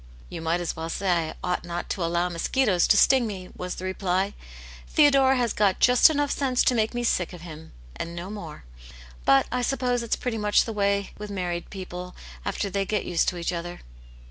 ''You might as well say I ought not to allow mosquitoes to sting me," was the reply, " Theodore has got just enough seni^ to make me sick of hirn, and no more. But I suppose it's pretty much the way with married people after they get used to each other."